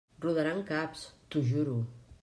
Rodaran caps, t'ho juro!